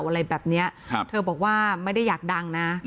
อะไรแบบนี้เธอบอกว่าไม่ได้อยากดังนะ